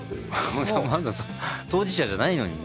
当事者じゃないのにね。